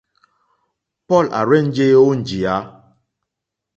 Paul à rzênjé ó njìyá.